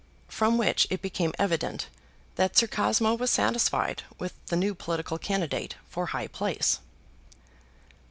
From which it became evident that Sir Cosmo was satisfied with the new political candidate for high place.